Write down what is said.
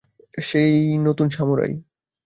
সে ই নতুন সামুরাই।